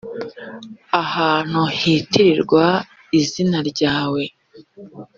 ahantu hitirirwa izina ryawe